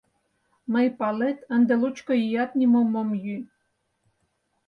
мый, палет, ынде лучко ият нимом ом йӱ.